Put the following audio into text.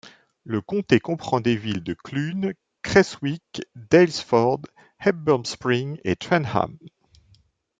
Le comté comprend les villes de Clunes, Creswick, Daylesford, Hepburn Springs et Trentham.